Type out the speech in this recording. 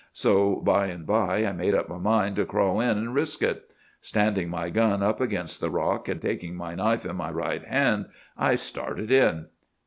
So by and by I made up my mind to crawl in and risk it. Standing my gun up against the rock, and taking my knife in my right hand, I started in!